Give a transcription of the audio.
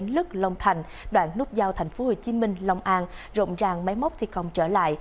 là vai ngân hàng và cái tỷ lệ